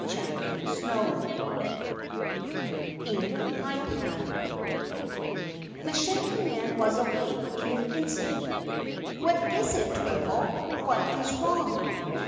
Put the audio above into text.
CHAPTER 7 Into Hightown The Shaggy Man was awake in an instant. "What is it, Twiffle, what is wrong?"